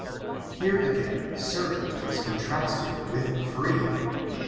Here, again, servant is contrasted with free.